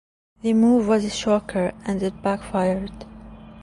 The move was a shocker, and it backfired.